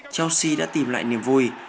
chelsea đã tìm lại niềm vui